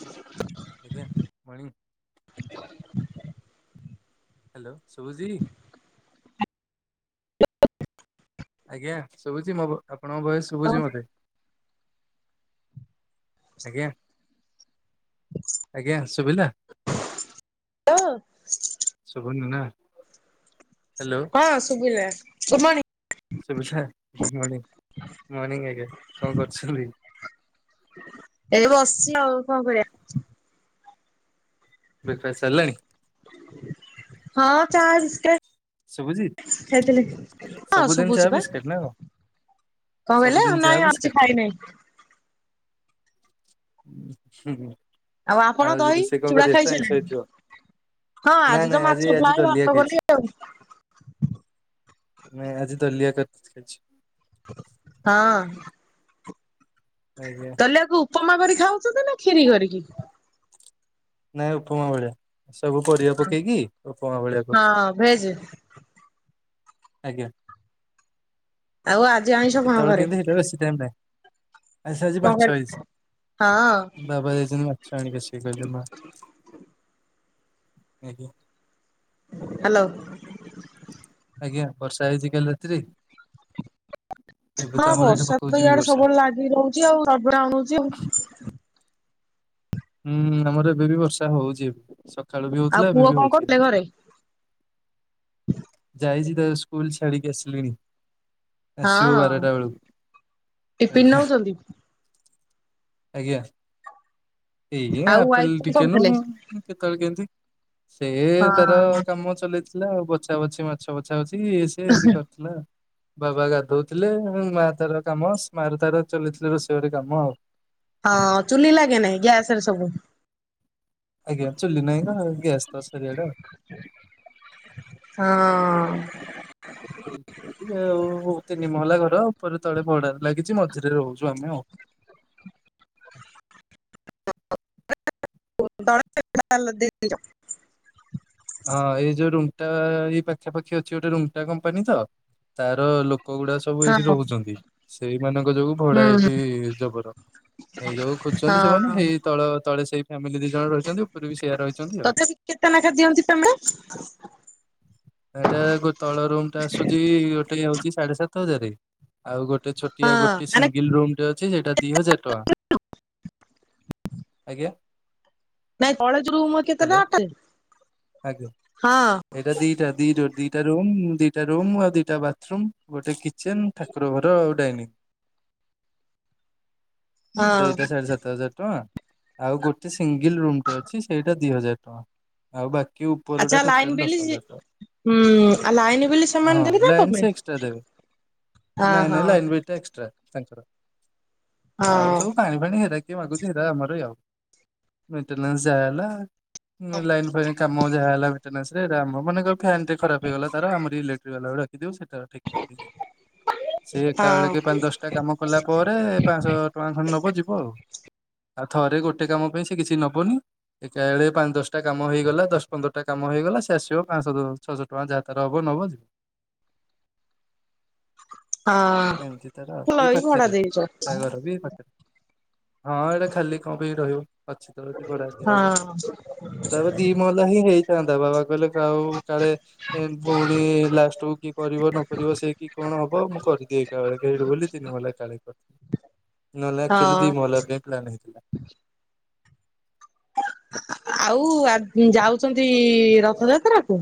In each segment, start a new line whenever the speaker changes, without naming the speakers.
ହ
ଆଜ୍ଞା ମଣିଂ। ହାଲୋ ସୁଭୂଜି? ଆଜ୍ଞା ଶୁଭୁଛି ମୋ ଆପଣଙ୍କ ବୟସ ଶୁଭୁଛି ମତେ। ଆଜ୍ଞା। ଆଜ୍ଞା ଶୁଭିଲା
ହ୍ୟାଲୋ
ଶୁଭନୁ ନା ହ୍ୟାଲୋ
ହଁ ସୁଭିଲା ଗୁଡ଼୍ ମନିଂ।
ସୁଭିଲା ମର୍ଣିଂ ମର୍ଣିିଂ ଆଜ୍ଞା କଣ କରୁଛନ୍ତି।
ଏଇ ବସିଛି ଆଉ କଣ କରିବା।
ବ୍ରେକ ଫାଷ୍ଟ ସରିଲାଣିି?
ହଁ ଚାହା ବିସ୍କେଟ ଖାଇଥିଲି ହଁ
ସବୁଦିନ ଚାହା
ଶୁଭୁଛି ବା।
ବିସ୍କେଟ ନା
କଣ କହିଲ
ସବୁଦିନ
ଅ
ଚାହା
ନାଇଁ ଅଛି
ବିସ୍କେଟ
ଖାଇନେଇ।
ହୁଁ
ଆପଣ
ଆଉ
ଦହି
ରୋଷେଇ କଣ
ଚୁଡା
କରିବ ପ୍ରାଏ
ଖାଇସାରିଲେଣି?
ସୋଇଥିବ।
ହଁ
ନାଇଁ
ତ
ନାଇଁ
ମାଛ
ଆଜି ଆଜି
ଫ୍ରାଏ ଭାତ
ଦଲିଆ
କଲି
ଖାଇଛି।
ଆଉ
ନାଇଁ ଆଜି ଦଲିିଆ କରିତି ଖାଇଛି।
ହଁ।
ଆଜ୍ଞା।
ତାହେଲେ ଆକୁ ଉପମା କରିକି ଖାଉଛନ୍ତି ନା ଖିରିକରିକି?
ନାଇଁ ଉପମା ଭଳିଆ। ସବୁ ପରିବା ପକେଇକି ଉପମା ଭଳିଆ କରୁଛୁ।
ହଁ ଭେଜ
ଆଜ୍ଞା।
ଆଉ ଆଜି ଆଇଁସ କଣ ଘରେ?
ଆଇଁଷ ଆଜି
କଣ କରି
ମାର୍ଛ
ହଁ
ହେଇଚି। ବାବା ଜାଇଛନ୍ତି ମାଛ ଆଣିକି ଆସିବେ କହିଲେ ମା। ଆଜ୍ଞା।
ହାଲୋ।
ଆଜ୍ଞା ବର୍ଷା ହେଇଛି କାଲିରାତିରେ କି?
ହଁ
ଏଠି
ବର୍ଷା
ପକଉଛି
ତ
ବି
ଇଆଦେ
ବର୍ଷା
ସବୁବେଳେ ଲାଗି ରହୁଛି ଆଉ ରାଗଡା ଆଣଉଛି ଆଉ।
ହୁଁ ଆମର ଏବେ ବି ବର୍ଷା ହଉଛି ଏବେ ସକାଳୁ ବି
ଆଉ
ହଉଥିଲା
ପୁଅ
ଏବେ ବି
କଣ
ହଉଛି।
କରୁଥିଲେ ଘରେ?
ଯାଇଚି ତା ସ୍କୁଲ ଛାଡିିକି ଆସିଲିଣି। ଆସିବୁ
ହଁ
ବାରଟା ବେଳୁକୁ
ଟିଫିନ
ଦେଖିଆ
ନଉଛନ୍ତି?
ଆଜ୍ଞା ଏଇଆ
ଆଉ ୱାଇଫ
ଆପେଲ
କଣ
ଟିକେନୁ
କରୁଥିଲେ?
କେତେବେଳେ କେମିତି ସେଆ
ହଁ
ତାର କାମ ଚଲେଇଥିଲା ଆଉ କିଛି ଦା ବଛି ମାଛ ବଛା ବଛି ସେ ଏମତି କରିଥିଲା। ବାବା ଗାଧଉଥିଲେ ମା ତାର କାମ ମାର ତାର ଚଲିଥିଲେ ରୋଷେଇ ଘରେ କାମ ଆଉ।
ହଁ ଚୁଲି ଲାଗେ ନାଇଁ ଗ୍ୟାସରେ ସବୁ
ଆଜ୍ଞା ଚୁଲି ନାଇ ତ ଗ୍ୟାସ୍ ତ ସରିଆଟା।
[inaudible]
[unintelligible] ଆଉ ଗୋତେ ତିନି ମହଲା ଘର ଉପରେ ତଳେ ଭଡା ଲାଗିଛି ମଝିରେ ରହୁଛୁ ଆମେ ଆଉ।
[unintelligible]
ଏଟା ଏ ପାଖାପାଖି ଅଛି ଗୋଟେ ରୁମ୍ଟା କମ୍ପାନୀ ତ ତାର ଲୋ କଗୁଡା ସବୁ
ହଁ
ଏଇଠି
ହୁଁ
ରହୁଛନ୍ତି ସେଇମାନଙ୍କ ଯୋଗୁଁ ଭଡା ଏଇଠି ଜବର। ଏଇ ଯୋଉ ଖୋଜୁଛନ୍ତି ସେମାନେ
ହଁ
ସେଇ ତଳ ତଳେ ସେଇ ଫ୍ୟାମିଲି ଦି ଜଣ ରହିଛନ୍ତି ଉପରେ ବି ସେଇଆ ରହିଛନ୍ତି ଆଉ।
ତଥାପି କେତେ ନାଖେ ଦିଅନ୍ତି ପେମେଣ୍ଟ?
ଏଟା ଗୋ ତଳ ରୁମଟା ଆସୁଛି ଗୋଟେ ହଉଛି ସାଢେ ସାତ ହଜାର। ଆଉ ଗୋଟେ
ହଁ
ଛୋଟିଆ ଗୋଟେ
ମାନେ
ସିଙ୍ଗଲ ରୁମଟେ ଅଛି ସେଇଟା ଦି ହଜାର ଟଙ୍କା। ଆଜ୍ଞା।
ନାଇଁ ତଳେ ଜୁମ କେତେଟା
ହ୍ୟାଲୋ
ଅଟେ?
ଆଜ୍ଞା ଏଇଟା ଦିଟା ଦିଟ ଦିଟା ରୁମ। ଦିଟା ରୁମ୍ ଆଉ ଦିଟା ବାଥରୁମ୍ ଗୋଟେ କିଚେନ ଠାକୁର ଘର ଆଉ। ଡାଇନି
ହଁ
ସେଇଟା ସାଢେ ସାତ ହଜାର ଟଙ୍କା। ଆଉ ଗୋଟେ ସିଙ୍ଗଲ ରୁମଟେ ଅଛି ସେଇଟା ଦି ହଜାର ଟଙ୍କା ଆଉ ବାକି କି
ଆଚ୍ଛା
ଉପରଟା
ଲାଇନ
ଟୋଟାଲ
ବିଲ୍
ଦଶ ହଜାର ଟଙ୍କା।
ହୁଁ ଆଉ ଲାଇନ ବିଲ
ହଁ
ସେମାନ ଦେବେ ନା
ଲାଇନ ସେ
ତମେ?
ଏକ୍ସଟ୍ରା ଦେବେ
ହଁ
ନାଇଁ
ହଁ
ନାଇଁ ଲାଇନ ବିଲ ଟା ଏକ୍ସଟ୍ରା ତାଙ୍କର ଆଉ
ହଁ
ସବୁ ପାଣି ଫାଣି ହେରା ମାଗୁଛି ହେରା ଆମରି ଆଉ ମେଣ୍ଟେନାସ ଯାହା ହେଲା ଲାଇନ ଫାଇନ କାମ ଯାହା ଲାଗୁଛି ମେସରେ ହେଟା ଆମ ମନେ କର ଫ୍ୟାନଟେ ଖରାପ ହେଇଗଲା ତାର ଆମରି ଇଲେକ୍ଟ୍ରିକ ବାଲା କୁ ଡାକିଦଉ ସେ ତ ଠିକ କ [unintelligible] ସେ ଏକା
ହଁ
ବେଳେକେ ପାଞ୍ଚ ଦଶଟା କାମ କଲା ପରେ ପାଞ୍ଚଶହ ଟଙ୍କା ଖଣ୍ଡେ ନବ ଯିବ ଆଉ। ଆଉ ଥରେ ଗୋଟେ କାମ ପାଇଁ ସେ କିଛି ନବନି ଏକାଳେ ପାଞ୍ଚ ଦଶଟା କାମ। କାମ ହେଇଗଲା ଦଶ ପନ୍ଦରଟା କାମ ହେଇଗଲା ସେ ଆସିବ ପାଞ୍ଚଶହ ଛଅଶହ ଟଙ୍କା ଯାହା ତାର ହବ ନବ ଯିବ।
ହଁ
ଏମିତି ତାର
ଭଲ
ବି
ଏଇ ଭଡା
ପାଖରେ
ଦେଇଛ।
ତା ଘରବି ଏଇ ପାଖରେ। ହଁ ଏଇଟା ଖାଲି କଣ ପାଇଁ ରହିବ ଅଛି ତ ଏଠି ବଢା ଦିଆହବ।
ହଁ
ତାପରେ ଦି ମହଲା ହିଁ ହେଇଥାନ୍ତା ବାବା କହିଲେ ଆଉ କାଳେ ପୁଣି ଲାଷ୍ଟକୁ କିଏ କରିବ ନ କରିବ ସେ କି କଣ ହବ ମୁଁ କରିଦି। ଏକାବେଳେ କେ ହେଇଟି ବୋଲି ତିନି ମହଲା ଏକା ବେଳେକେ ହେଇ ପାରୁଚି। ନହେଲେ ଆଚଲି
ହଁ
ଦି ମହଲା ପାଇଁ ପ୍ଲାନ୍ ହେଇଥିଲା।
ଆଉ ଆ ଯାଉଛନ୍ତି ରଥଯାତ୍ରାକୁ?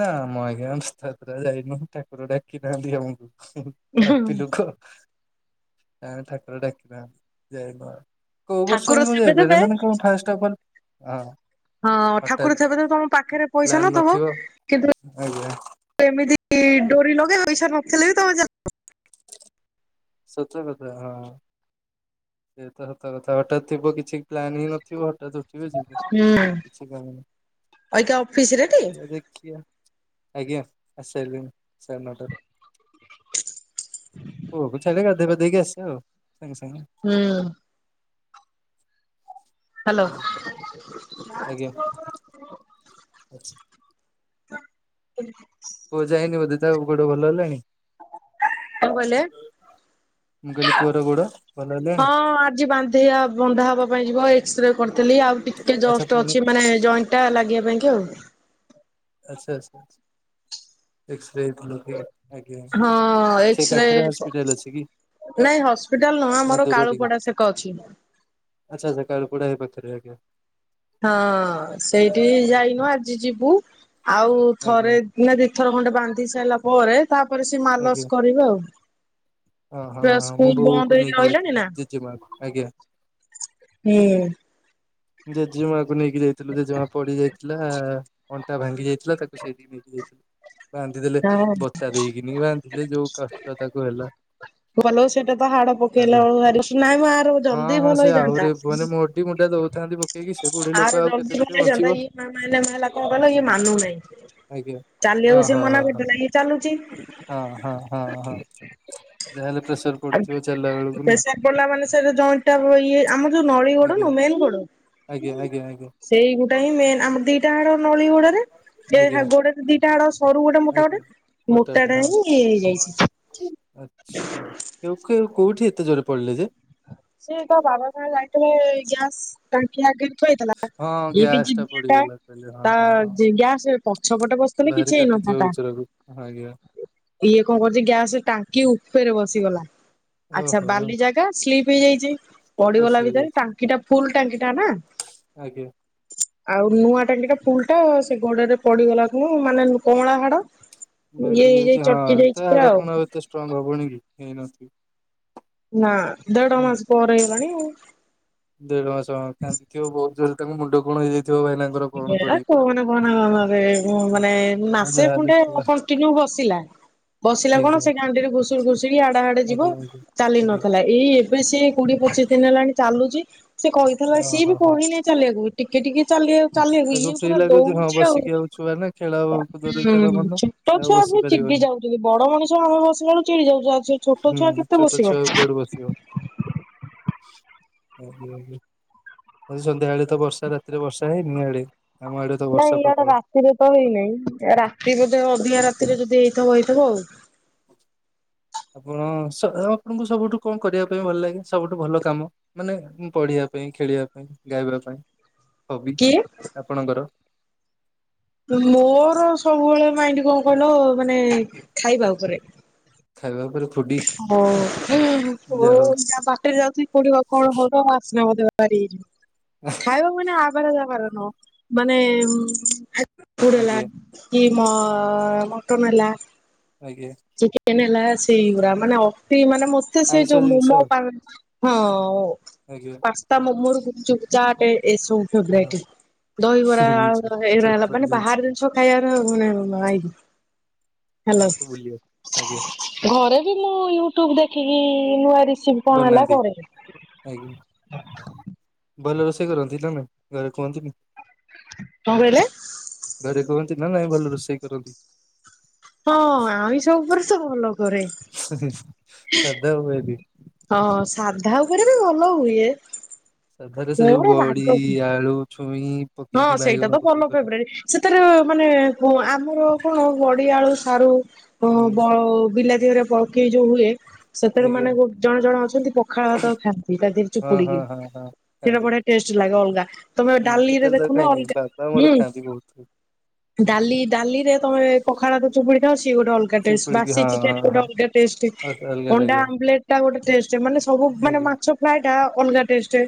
ନାଁମ ଆଜ୍ଞା ରଥଯାତ୍ରା ଯାଇନୁ ଠାକୁର ଡାକି ନାହାନ୍ତି ଆମକୁ
କୁ?
ପାପିଲୋକ ଆଁ ଠାକୁର ଡାକି ନାହାନ୍ତି ଯାଇନୁ ଆଉ। କୋଉ ବର୍ଷ
ଠାକୁର
ବି ମୁଁ
ଥିବେ ଥିବେ
ଯାଇପାରିନି ମାନେ କଣ ଫାଷ୍ଟ [unintelligible]
ହଁ ଠାକୁର
ହଠାତ୍
ଥବେ ତ ତମ ପାଖରେ ପଇସା
ପ୍ଲାନ
ନଥବ
ନଥିବ ଆଜ୍ଞା।
ଆଜି ଡୋରି ଲଗେଇ ତୋ ଇସା ନଥିଲେ ବି ତମେ ଯା
ସତ କଥା ହଁ। ସେତ ସତ କଥା ଗୋଟେ ଥିବ କିଛି ପ୍ଲାନ ହିଁ ନଥିବ ହଠାତ ଉଠିବେ ଯିବୁ
ହୁଁ।
କିଛି କାମ ନାହିଁ
ଅଇକା ଅଫିସ ରେ ଟି?
ତ ଦେଖିଆ। ଆଜ୍ଞା ଆସି ସାଇଲିଣି ସାଢେ ନଅଟାରୁ। ପୁଅକୁ ଛାଡିଲେ ଗାଧେଇ ପାଧେଇ କି ଆସିବା ଆଉ ସାଙ୍ଗେ ସାଙ୍ଗେ।
ହୁଁ। ହ୍ୟାଲୋ।
ଆଜ୍ଞା। ପୁଅ ଯାଇନି ବଧେ ତା ଗୋଡ ଭଲ ହେଲାଣି?
କଣ କହିଲେ?
ମୁଁ କହିଲି ପୁଅର ଗୋଡ ଭଲ ହେଲାଣି
ହଁ ଆଜି ବାନ୍ଧିବା ବନ୍ଧା ହବା ପାଇଁ ଯିବ। ଏ ଏକ୍ସଶ୍ରେ କରିଥିଲି। ଆଉ ଟିକେ
ଆଚ୍ଛା
ଜଷ୍ଟ
ପୁଣି
ଅଛି ମାନେ ଜଏଣ୍ଟ ଟା ଲାଗିବା ପାଇଁ କି ଆଉ।
ଆଛା ଆଛା। ଏକ୍ ଶ୍ରେ ଆଜ୍ଞା।
ହଁ
ସେଇ
ଏକ୍ସରେ
ପାଖରେ ହସ୍ପିଟାଲ ଅଛି କି?
ନାଇଁ ହସ୍ପିଟାଲ ନୁହଁ ଆମର କାଳୁପଡା ସେକ ଅଛି।
ଆଛା ଆଛା। କାଳୁପଡା ଏଇ ପାଖରେ ଆଜ୍ଞା।
ହଁ ସେଇଠି ଯାଇନୁ ଆଜି ଯିବୁ। ଆଉ ଥରେ
ଆଜ୍ଞା
ନା ଥରେ ଖଣ୍ଡେ ବାନ୍ଧି ସାରିଲା ପରେ, ତାପରେ ସେ ମାଲସ କରିବେ ଆଉ।
ଓ ହଁ।
ଛୁଆ
ମୁଁ
ସ୍କୁଲ ବନ୍ଦ
ବୋଉକୁ
ହେଇକି
ନେଇକି
ରହିଲାଣି
ଯାଇଥିଲି
ନା
ଜେଜେ ମା ଙ୍କୁ। ଆଜ୍ଞା।
ହୁଁ।
ଜେଜେମା କୁ ନେଇକି ଯାଇଥିଲୁ। ଜେଜେମା ପଡି ଯାଇଥିଲା। ଅଣ୍ଟା ଭାଙ୍ଗି ଯାଇଥିଲା ତାକୁ ସେଇଠି ନେଇକି ଯାଇକିଲୁ। ବାନ୍ଧି ଦେଲେ,
ହଁ।
ବତା ଦେଇକିନି ବାନ୍ଧିଲେ ଯୋଉ କଷ୍ଟ ତାକୁ ହେଲା।
ଭଲ ସେଟା ତ ହାଡ ପକେଇଲା
ହଁ
ବେଳୁ ଭାରି-ନାଇଁ ଆର ଜଲଦି
ହଁ
ଭଲ
ସେ
ହେଇ
ଆହୁରି ମାନେ ମୋଡି ମୁଡା
ଯାଇଥାନ୍ତା।
ଦଉଥାନ୍ତି ପକେଇକି ସେ ବୁଢୀ ଲୋକ
ଆର
ଆଉ କେତେ
ଜଲଦି ଭଲ
ଦିନ ବଞ୍ଚିବ
ହୋଇଯାନ୍ତା। ଇଏ ମାଇଲା ମାଇଲା, କଣ କହିଲ ମାନୁନି।
ଆଜ୍ଞା
ଚାଲି ବାକୁ
ଓହୋ
ସିଏ
ହୋ
ମନା
ହୋ
କରିଥିଲା। ଇଏ ଚାଲୁଛି।
ହଁ, ହଁ, ହଁ, ହଁ। ଯା ହେଲେ
ଆଉ ପ୍ରେସର ପଡିଲା ମାନେ, ସେ ଯୋଉ ଜଏଣ୍ଟ ଟା ଇଏ ଆମର, ଯୋଉ ନଳୀ ଗୋଡ ନା
ଆଜ୍ଞା
ମେନ୍ ଗୋଡ।
ଆଜ୍ଞା ଆଜ୍ଞା ଆଜ୍ଞା।
ସେଇଗୋଟା ହିଁ ମେନ୍, ଆମର ଦିଟା ହାଡ ନଳିଗୋଡରେ। ସେ
ଆଜ୍ଞା
ଗୋଡେରେ ଦିଟା ଆଡ, ସରୁ ଗୋଟେ ମୋଟା
ଆଜ୍ଞା
ଗୋଟେ ମୋଟା
ମୋଟାଟା
ଟା
ହଁ।
ହିଁ ହେଇଯାଇଛି।
ଆଚ୍ଛା କେଉ କେ, କେଉଠି ଏତେ ଜୋରେ ପଡ଼ିଲେ ଯେ?
ସେ ତ ବାବା ସାଙ୍ଗରେ ଯାଇଥିଲେ, ଗ୍ୟାସ ଟାଙ୍କି ଆଗରେ ଠିଆ ହେଇଥିଲା।
ହଁ
ଏ ବି
ଗ୍ୟାସ
ଜିଦିଆ ଟା
ପଡିଗଲା କହିଲେ ହଁ
ତା
ହଁ ହଁ
ଗ୍ୟାସ ପଛପଟେ ବସିଥିଲେ କିଛି ହେଇନ
ଥିବା ବିଚରାକୁ, ଆଜ୍ଞା।
ଇଏ କଣ କରୁଛି, ଗ୍ୟାସ ଟାଙ୍କି ଉପେରେ ବସିଗଲା। ଆଚ୍ଛା
ଓହୋ
ବାଲି ଜାଗା। ହେଇ ଯାଇଛି, ପଡିଗଲା
ଖସି
ଭିତରେ
ହେଇଯାଇଛି
ଟାଙ୍କି ଟା ଫୁଲ ଟାଙ୍କି ଟା ନା?
ଆଜ୍ଞା।
ଆଉ ନୂଆ ଟାଙ୍କିଟା ଫୁଲ ଟା, ସେ ଗୋଡରେ ପଡିଗଲା କ୍ଷେନୁ, ମାନେ କଁଳା ହାଡ। ଇଏ
ଭାଙ୍ଗି
ହେଇଯାଇ
ଯାଇଛି,
ଚଟକି
ହଁ
ଯାଇଛି
ତ
ପୁରା
ହାଡ଼ କଣ ଆଉ ଏତେ ଷ୍ଟ୍ରଙ୍ଗ ହବନି କି? ହେଇନଥିବ?
ନା ଦେଢ ମାସ ପରେ ହେଇଲାଣି।
ଦେଢ ମାସ। ହଁ ତାଙ୍କିଆ ବହୁତ ଜୋରରେ ତାଙ୍କ ମୁଣ୍ଡ କଣ ହେଇଯାଇ
ଏରା କହନା କହନା ମାମା ବେ, ମାନେ
ଆଉ
ମାସେ
ଯାହାହେଲେ
ଖଣ୍ଡେ
ଛୁଆ
କଣ୍ଟିନିଉ
ଆଜ୍ଞା ଆଜ୍ଞା ଆଜ୍ଞା। ଆଜ୍ଞା
ପାସିଲା। ! ! ! ! ! ! ! ! ! ! ! ! ! ! ! ପଚିଶ ଦିନ ହେଲାଣି ଚାଲୁଛି, ସେ କହିଥିଲା
ହଁ
ସିଏ ବି
ହଁ ହଁ
କହି ନାଇଁ ଚାଲିବାକୁ ଟିକେ ଟିକେ ଚାଲିବାକୁ ଚାଲି ବି,
ତାକୁ
ଇଏ
ଫ୍ରି
ପୁରା
ଲାଗୁଛି ହଁ
ଦଉଡୁଛି ଆଉ।
ବସିକି ଛୁଆ ନା ଖେଳ କୁଦରେ ତାର
ହୁଁ
ମନ।
ଛୋଟ
ସେ ଆଉ
ଛୁଆ
ବସି
ମୁ ଚିଡିବି ଚି,
ପାରିବନି
ଯାଉଛନ୍ତି ବଡ ମଣିଷ ଆମେ ବସି ଲା ବେଳୁ ଆମେ ଚିଡ଼ି ଯାଉଚୁ। ଆଉ ସେ ଛୋଟ
ହୁଁ
ଛୁଆ କେତେ
ଛୋଟ
ବସିବ।
ଛୁଆ ଆଉ କୁଆଡୁ ବସିବ। ଆଜି ସନ୍ଧ୍ୟାବେଳେ। ତ ବର୍ଷା ରାତିରେ ବର୍ଷା ହେଇନି ଇଆଡେ? ଆମ ଆଡେ ତ
ନାଇଁ
ବର୍ଷା
ଇଆଡେ
ପ୍ରବଳ।
ଯେ ଅଧିକା ରାତିରେ ଯଦି ହେଇଥିବ ହେଇଥିବ ଆଉ।
ଆପଣ ସ-ଆପଣଙ୍କୁ ସବୁଠୁ କଣ କରିବା ପାଇଁ ଭଲ ଲାଗେ? ସବୁଠୁ ଭଲ କାମ, ମାନେ ପଢିବା ପାଇଁ? ପାଇଁ ଖେଳିବା ପାଇଁ? ଗାଇବା ପାଇଁ? ହବି
କିଏ?
ଆପଣଙ୍କର?
ମୋର ସବୁବେଳେ ମାଇଣ୍ଡ କଣ କହିଲ, ମାନେ ଖାଇବା ଉପରେ।
ଖାଇବା ଉପରେ ଫୁଡି
ବୋହୂ, ବୋହୂ
ଯାହା ହଉ
ଆରିକା ବାଟରେ ଯାଉଥିଲେ କୋଉଠି କଣ ହବ ଆସିନାହାନ୍ତି ବୋ କରି। ଖାଇବା ମାନେ ଆବାର ଯାବାର ନୁହଁ। ମାନେ ଫୁଡ୍ ଲା
ଆଜ୍ଞା
କି ମଟନ ହେଲା
ଆଜ୍ଞା
ଚିକେନ୍ ହେଲା, ସେଇ ଉରା ମାନେ ଅତି ମାନେ ମତେ ସେ
ଆଇଁଷ
ଯୋଉ
ଜିନିଷ
ମମୋ ତା, ହଁ
ଆଜ୍ଞା।
ପାସ୍ତା ମୋମୋ ରେ ଯୋଉ ଚାଟେ ଏସବୁ
ହଁ
ଫେବାଇଟି ଦହିିବରା ଆଳୁ ଏଉରା ହେଲା ମାନେ ବାହାର ଜିନିଷ ଖାଇବାର [unintelligible] ମୋ ମା ଆଇକି
ମତେ ବୁଲିବା ଆଜ୍ଞା
ଘରେ ବି ମୁଁ ୟୁଟ୍ୟୁବ ଦେଖିକି ନୂଆ ରି ସିପି କଣ ହେଲା
ବନାନ୍ତି
କରେ।
ଆଜ୍ଞା ଭଲ ରୋଷେଇ କରନ୍ତି ନା ନାଇଁ ଘରେ କୁହନ୍ତିନି?
କଣ କହିଲେ?
ଟିନା ନାଇଁ ଭଲ ରୋଷେଇ କରନ୍ତି।
ହଁ ଆଇଁଷ ଉପରେ ସେ ଭଲ କରେ।
ହୁଁ ହୁଁ ସାଧା ହୁଏନି?
ହଁ ସାଧା ଉପରେ ବି ଭଲ ହୁଏ।
ସାଧାରେ ସେ ଯୋଉ
ମୋର
ବଢ଼ି,
ରାଗ
ଆଳୁ ଛୁଇଁ
ହଁ
ପକେଇକି
ସେଇଟା
ବାଇଗଣ
ତ ଭଲ
ପକେଇକି କରେ
ଫେବରାଇଟ ସେଥିରେ ମାନେ ମୋ ଆମର କଣ ବଢି, ଆଳୁ, ସାରୁ ଅ
ମୁଁ
ବ ବିଲାତି ହେରିକା ପକେଇ ଯୋଉ ହୁଏ। ସେଥିରେ
ଆଜ୍ଞା
ମାନେ ଗୋ ଜଣେ ଜଣେ ଅଛନ୍ତି ପଖାଳ ଭାତ ଖାଆନ୍ତି ତା ଦେହରେ
ହଁ ହଁ
ଚୁପୁଡିକିରି।
ହଁ ହଁ
ସେଇଟା
ଖାଆନ୍ତି
ବଢିଆ ଟେଷ୍ଟ ଲାଗେ ଅଲଗା ତମେ ଡାଲିରେ ଦେଖୁନ
ଖାଇନି ବାପା ମୋର ଖାଆନ୍ତି ବହୁତୁ।
ଡଲି ଡାଲି ରେ ତମେ ପଖା ଚୁପୁଡି ଖାଅ ସିଏ ଗୋଟେ ଅଲଗା ଟେଷ୍ଟ
ଚିପୁଡିକି
ବାସି
ହଁ ହଁ
ଚିକେନ୍ ଗୋଟେ
ହଁ
ଅଲଗା ଟେଷ୍ଟ। ଷ୍ଟେ
ଅସ- ଅଲଗା
ଅଣ୍ଡା
ଲାଗିବ
ଆମ୍ୱଲେଟ୍ ଟା ଗୋଟେ ଟେଷ୍ଟ ମାନେ ସବୁ ମାନେ
ଆଜ୍ଞା
ମାଛ ଫ୍ରାଏ ଟା ଓନଗା ଟେଷ୍ଟ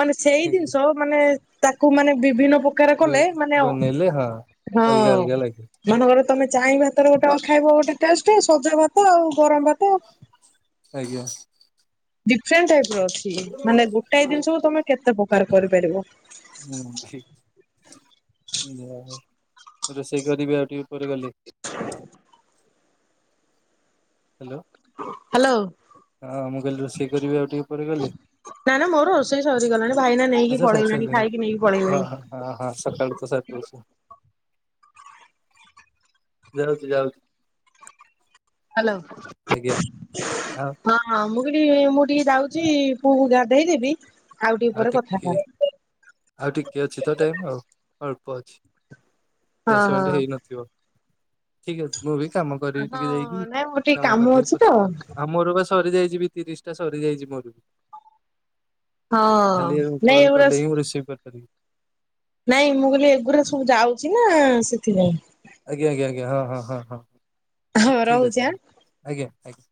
ମାନେ ସେଇ
ଆଜ୍ଞା
ଦିନଷ ମାନେ ତାକୁ ମାନେ ବିଭିନ୍ନ ପ ପ୍ର କଲେ
ବି-
ମାନେ ଅ
ବନେଇଲେ ହଁ
ହଁ
ଅଲଗା ଅଲଗା ଲାଗେ
ମନେ କର ତମେ ଚାଇଁ ଭାତର ଗୋଟେ ଅ ଖାଇବ ଗୋଟେ ଟେଷ୍ଟ ସଜ ଭାତ ଆଉ ଗରମ ଭାତ
ଆଜ୍ଞା।
ଡିଫ୍ରେଣ୍ଟ ଟାଇପର ଅଛି। ମାନେ ଗୋଟାଏ ଜିନିଷକୁ ତମେ କେତେ ପ୍ରକାର କରିପାରିବ।
ହୁଁ ଛି ରୋଷେଇ କରିିବି ଆଉ ଟିକେ ପରେ ଗଲେ। ହାଲୋ।
ହାଲୋ।
ହଁ ମୁଁ କହିଲି ରୋଷେଇ କରିବି ଆଉ ଟିକେ ପରେ ଗଲେ।
ନା ନା ମୋ ରୋଷେଇ ସରିଗଲାଣି ଭାଇନା ନେଇକି
ଆଛା
ପଳେଇଲାଣି
ସରିଶାଇଲେଣି
ଖାଇକି ନେଇକି ପଳେଇଲେଣି
ଆହା ଆହା ସକାଳୁ ତ ସାରି ଦୋଉଚ। ଯାଉଚି ଯାଉଚି।
ହାଲୋ
ଆଉ
ହଁ ମୁଁ ରୀ ମୁଁ ଟିକେ ଯାଉଚି ପୁଅକୁ ଗାଧଦେବି
ଆଉ ଟିକେ ଆଉ ଟିକେ ଅଛି ତ ଟାଇମ ଆଉ ଅଳ୍ପ ଅଛି।
ହଁ
ଦଶ ମିନିଟ୍
ହଁ
ହେଇନଥିବ। ଠିକ ଅଛି ମୁଁ ଭି କାମ କରିବି ଟିକେ
ହଁ
ଯାଇକି
ନାଇଁ ମୋର ଟିକେ
କାମ କରିଦେଇକି
ଅଛି ତ
ପଚେ କଲ୍ କ ଆଉ ମୋର ବାସ୍ ସରିଯାଇଚି ବି ତିରିଶ ଟା ସରିଯାଇଚି ମୋର।
ହଁ
କାଲି ଆଉ
ନାଇଁ
କଲ୍
ଏଗୁଡା
କଲେ ବି ମୁଁ ରିସିଭ୍ କରିପାରିବି
ନାଇଁ ମୁଁ କହିଲି ଏଗୁୁରା ସବୁ ଯାଉଚି ନା ସେଥିପାଇଁ।।
ଆଜ୍ଞା ଆଜ୍ଞା ଆଜ୍ଞା ହଁ ହଁ ହଁ ହଁ
ହଁ
ଠିକ
ରହୁଛି
ଅଛି
ଆଁ।
ଆଜ୍ଞା ଆଜ୍ଞା।